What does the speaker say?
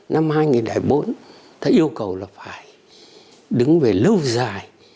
năm hai nghìn bốn ta yêu cầu là phải đứng về lâu dài